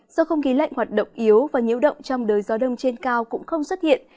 do không khí lạnh hoạt động yếu và nhiễu động trong đời gió đông trên cao cũng không xuất hiện